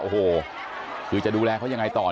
โอ้โหคือจะดูแลเขายังไงต่อ